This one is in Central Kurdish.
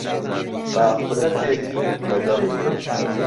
با خولەکێک لەگەڵی بم.